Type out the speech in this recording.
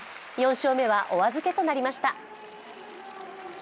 ４勝目はお預けとなりました。